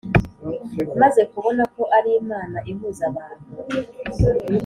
maze kubona ko ari imana ihuza abantu